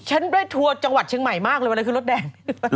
ฉันเป็นทัวร์จังหวัดเชียงใหม่มากเลยมาเลยขึ้นรถแดง